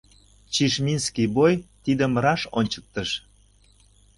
Чишминский бой тидым раш ончыктыш.